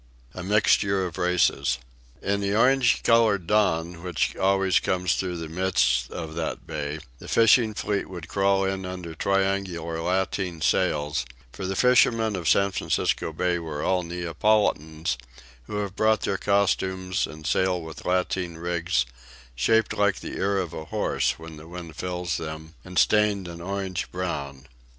A MIXTURE OF RACES. In the orange colored dawn which always comes through the mists of that bay, the fishing fleet would crawl in under triangular lateen sails, for the fishermen of San Francisco Bay are all Neapolitans, who have brought their costumes and sail with lateen rigs shaped like the ear of a horse when the wind fills them and stained an orange brown.